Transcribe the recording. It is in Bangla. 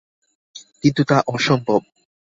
কিন্তু তা অসম্ভব।